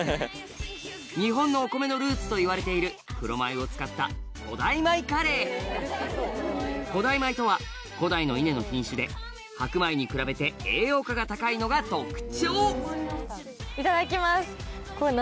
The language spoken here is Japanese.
日本のお米のルーツといわれている黒米を使った古代米とは古代の稲の品種で白米に比べて栄養価が高いのが特長いただきます。